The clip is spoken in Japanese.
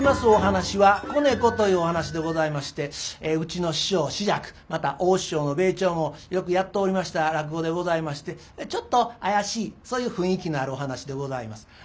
お噺は「仔猫」というお噺でございましてうちの師匠枝雀また大師匠の米朝もよくやっておりました落語でございましてちょっと怪しいそういう雰囲気のあるお噺でございます。